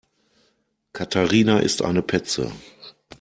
Katharina ist eine Petze.